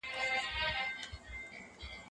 خاوند څو شپې له موهوبې سره تيرولای سي؟